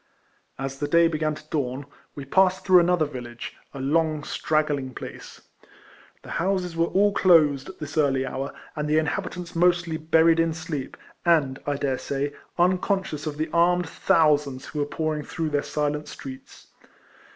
As the day began to dawn, we passed through another village — a long, straggling place. The houses were all closed at this early hour, and the inhabitants mostly buried in sleep, and, I dare say, uncon scious of the armed thousands who were pouring through their silent streets.